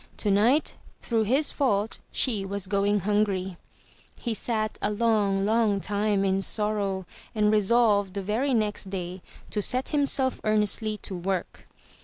Tonight, through his fault, she was going hungry. He sat a long, long time in sorrow and resolved the very next day to set himself earnestly to work.